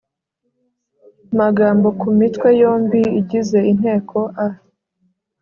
magambo ku mitwe yombi igize inteko a